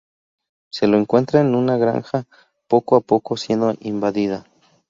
Se lo encuentra en una granja, poco a poco siendo invadida.